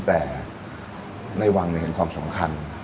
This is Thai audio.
แต่ในวังเห็นความสำคัญ